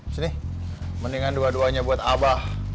sini mendingan dua duanya buat abah